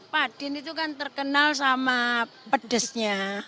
padin itu kan terkenal sama pedesnya